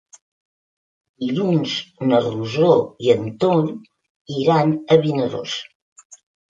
Dilluns na Rosó i en Tom iran a Vinaròs.